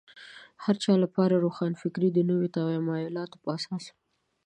د هر چا لپاره روښانفکري د نویو تمایلاتو په اساس.